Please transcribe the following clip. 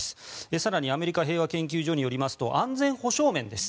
更にアメリカ平和研究所によりますと安全保障面です。